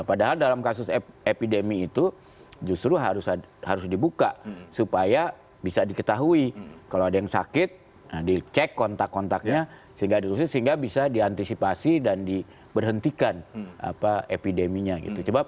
padahal dalam kasus epidemi itu justru harus dibuka supaya bisa diketahui kalau ada yang sakit dicek kontak kontaknya sehingga diusutin sehingga bisa diantisipasi dan diberhentikan epideminya gitu